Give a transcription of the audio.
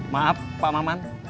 maaf pak maman